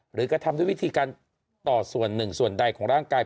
กระทำด้วยวิธีการต่อส่วนหนึ่งส่วนใดของร่างกาย